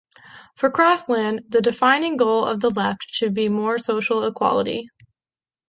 For Crosland, the defining goal of the left should be more social equality.